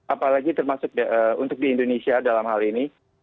apalagi termasuk untuk di indonesia dalam hal ini